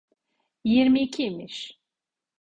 Yirmi iki imiş.